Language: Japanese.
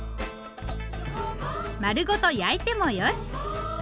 丸ごと焼いてもよし。